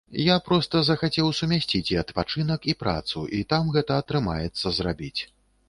Я проста захацеў сумясціць і адпачынак, і працу, і там гэта атрымаецца зрабіць.